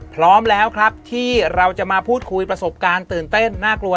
พร้อมแล้วครับที่เราจะมาพูดคุยประสบการณ์ตื่นเต้นน่ากลัว